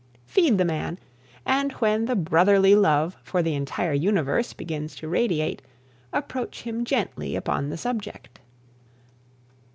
Feed the man, and when the brotherly love for the entire universe begins to radiate, approach him gently upon the subject.